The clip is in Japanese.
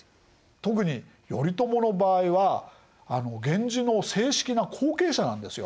特に頼朝の場合は源氏の正式な後継者なんですよ。ですよね。